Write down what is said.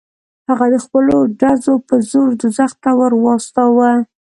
هغه د خپلو ډزو په زور دوزخ ته ور واستاوه.